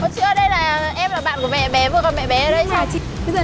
chị ơi đây là em là bạn của mẹ bé vừa còn mẹ bé đấy cháu